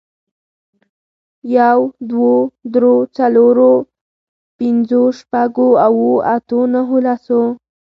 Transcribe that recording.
يوه، دوو، درو، څلورو، پنځو، شپږو، اوو، اتو، نهو، لسو